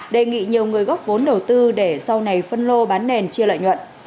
đề nghị nhiều người góp vốn đầu tư để sau này phân lô bán nền chia lợi nhuận